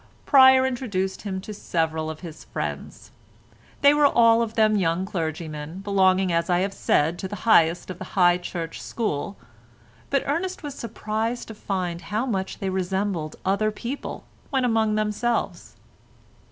Pryer introduced him to several of his friends. They were all of them young clergymen, belonging as I have said to the highest of the High Church school, but Ernest was surprised to find how much they resembled other people when among themselves.